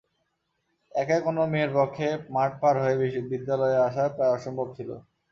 একা কোনো মেয়ের পক্ষে মাঠ পার হয়ে বিদ্যালয়ে আসা প্রায় অসম্ভব ছিল।